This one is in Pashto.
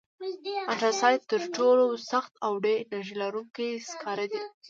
انترسایت تر ټولو سخت او ډېر انرژي لرونکی سکاره دي.